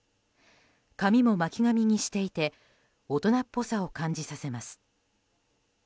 髪も巻き髪にしていて大人っぽさを感じさせます。